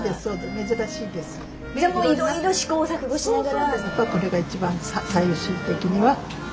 でもいろいろ試行錯誤しながら。